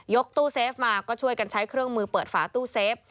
ตู้เซฟมาก็ช่วยกันใช้เครื่องมือเปิดฝาตู้เซฟ